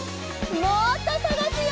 もっとさがすよ！